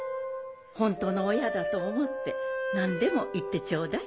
本当の親だと思って何でも言ってちょうだい。